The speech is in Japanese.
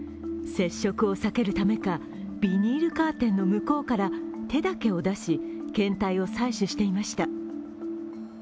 接触を避けるためかビニールカーテンの向こうから手だけを出し検体を採取していました。